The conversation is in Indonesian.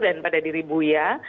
dan pada diri buya